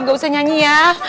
gak usah nyanyi ya